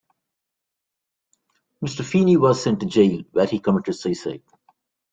Mr. Feeny was sent to jail, where he committed suicide.